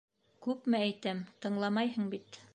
Күпме әйтәм, тыңламайһың бит.